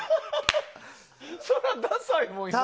そりゃダサいやん。